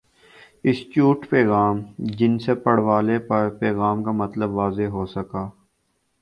S چھوٹ پیغام جن سے پڑھ والے پر پیغام کا مطلب واضح ہو سکہ